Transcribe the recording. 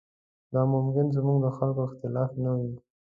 دا ممکن زموږ د خلکو اختلاف نه وي.